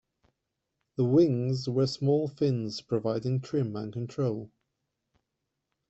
The "wings" were small fins providing trim and control.